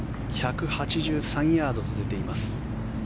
１８３ヤードと出ています。